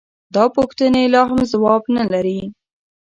دا پوښتنې لا هم ځواب نه لري.